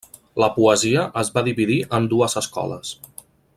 La poesia es va dividir en dues escoles.